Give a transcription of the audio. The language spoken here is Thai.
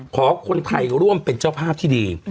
ขอคนไทยร่วมเป็นเจ้าภาพที่ดี